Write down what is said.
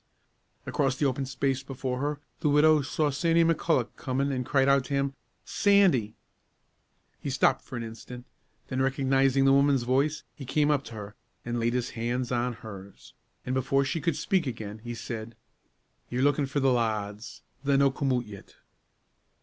Across the open space before her, the widow saw Sandy McCulloch coming, and cried out to him, "Sandy!" He stopped for an instant, then, recognizing the woman's voice, he came up to her, and laid his hands on hers, and, before she could speak again, he said, "Ye're lookin' for the lads. They're no' come oot yet."